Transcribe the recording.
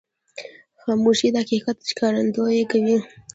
خاموشي، د حقیقت ښکارندویي کوي.